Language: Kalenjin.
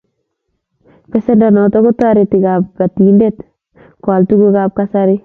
Pesendo notok ko tareti kabatindet ko al tuguk ab kasari